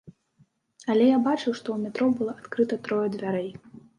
Але я бачыў, што ў метро было адкрыта трое дзвярэй.